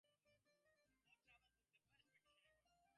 A fourth travel book, The Best Vacation Ever!